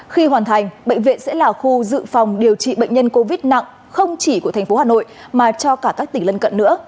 khi hoàn thành bệnh viện sẽ là khu dự phòng điều trị bệnh nhân covid nặng không chỉ của thành phố hà nội mà cho cả các tỉnh lân cận nữa